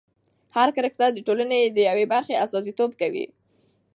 هر کرکټر د ټولنې د یوې برخې استازیتوب کوي.